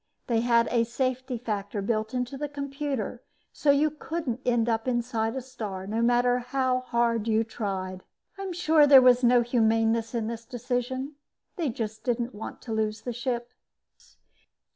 They had a safety factor built into the computer so you couldn't end up inside a star no matter how hard you tried. I'm sure there was no humaneness in this decision. They just didn't want to lose the ship.